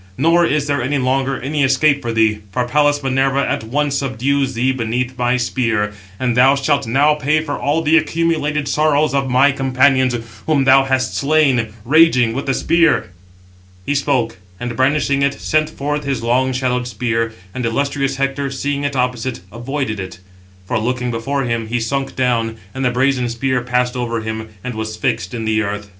Nor is there any longer any escape for thee, for Pallas Minerva at once subdues thee beneath my spear, and thou shalt now pay for all the accumulated sorrows of my companions, whom thou hast slain, raging with the spear." Footnote 706: (return) See Duport, p. 127; and cf. Hor. Epod. iv. 1. He spoke, and brandishing it, sent forth his long shadowed spear, and illustrious Hector, seeing it opposite, avoided it; for, looking before him, he sunk down, and the brazen spear passed over him, and was fixed in the earth.